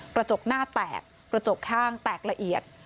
กระจกหน้าแตกกระจกข้างแตกละเอียด